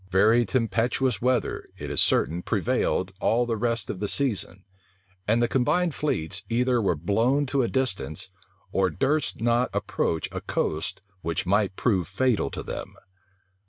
Very tempestuous weather, it is certain, prevailed all the rest of the season; and the combined fleets either were blown to a distance, or durst not approach a coast which might prove fatal to them.